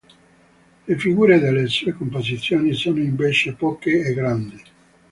Le figure delle sue composizioni sono invece poche e grandi.